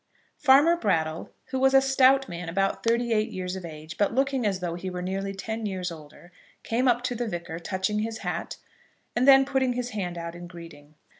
Farmer Brattle, who was a stout man about thirty eight years of age but looking as though he were nearly ten years older, came up to the Vicar, touching his hat, and then putting his hand out in greeting.